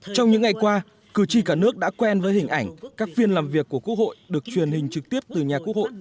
trong những ngày qua cử tri cả nước đã quen với hình ảnh các phiên làm việc của quốc hội được truyền hình trực tiếp từ nhà quốc hội